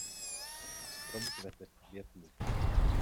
Strom kvete v květnu.